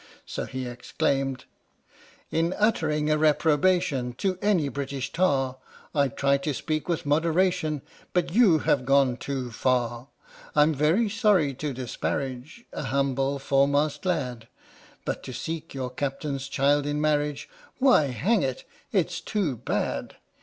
So he exclaimed : In uttering a reprobation To any British Tar, I try to speak with moderation, But you have gone too far. I'm very sorry to disparage A humble foremast lad, But to seek your Captain's child in marriage, Why, hang it, it's too bad!